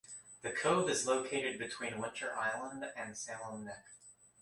The cove is located between Winter Island and Salem Neck.